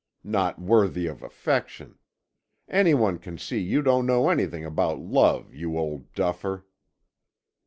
Not worthy of affection! Anyone can see you don't know anything about love, you old duffer."